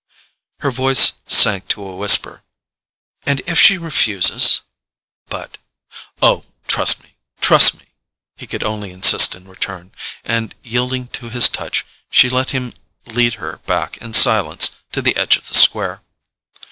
Her voice sank to a whisper: "And if she refuses?"—but, "Oh, trust me—trust me!" he could only insist in return; and yielding to his touch, she let him lead her back in silence to the edge of the square.